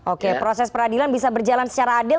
oke proses peradilan bisa berjalan secara adil